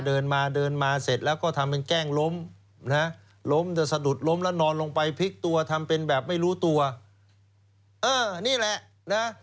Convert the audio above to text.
เดินมาเดินมาเสร็จแล้วก็ทำเป็นแกล้งล้มนะล้มจะสะดุดล้มแล้วนอนลงไปพลิกตัวทำเป็นแบบไม่รู้ตัวเออนี่แหละนะ